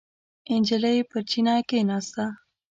نجلۍ پر چینه کېناسته.